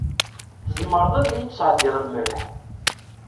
Tzemreḍ ad yi-d-tesɛeddiḍ lmelḥ?